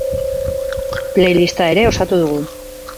Playlista ere osatu dugu.